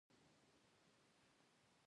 جبار خان: ته وایې چې زه په رخصتۍ ولاړ شم؟